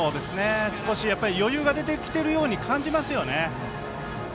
少し余裕が出てきているように感じますよね。